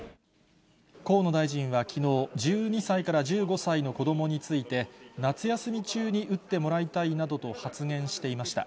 河野大臣はきのう、１２歳から１５歳の子どもについて、夏休み中に打ってもらいたいなどと発言していました。